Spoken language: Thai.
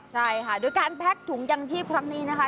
ใช่ค่ะโดยการแพ็กถุงยังชีพครั้งนี้นะคะ